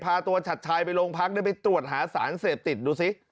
พาตัวชัดชายไปโรงพักได้ไปตรวจหาสารเสพติดดูสิ